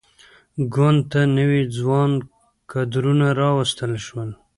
ګوند ته نوي ځوان کدرونه راوستل شول.